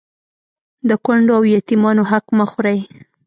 د کونډو او يتيمانو حق مه خورئ